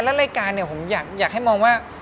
และรายการผมอยากให้มองว่า